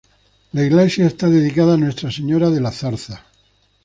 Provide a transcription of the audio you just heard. La iglesia está dedicada a Nuestra Señora de la Zarza.